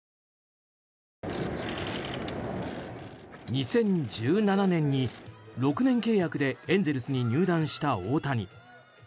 ２０１７年に６年契約でエンゼルスに入団した大谷。